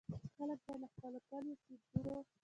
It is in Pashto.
خلک باید له خپلو کلیوالو سیندونو.